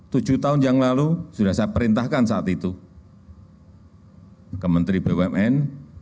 tujuh tahun yang lalu sudah saya perintahkan saat itu ke menteri bumn